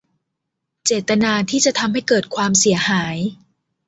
เจตนาที่จะทำให้เกิดความเสียหาย